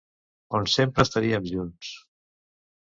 On sempre estaríem junts.